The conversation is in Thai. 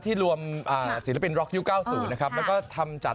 พี่ออดี้เราเนี่ยดังมาตั้งแต่ปีไหน